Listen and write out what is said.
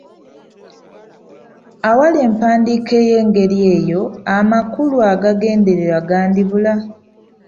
Awali empandiika ey’engeri eyo, amakulu agagendererwa gandibula.